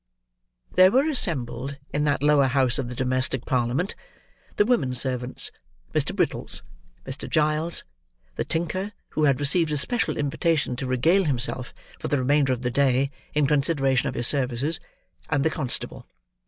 There were assembled, in that lower house of the domestic parliament, the women servants, Mr. Brittles, Mr. Giles, the tinker (who had received a special invitation to regale himself for the remainder of the day, in consideration of his services), and the constable.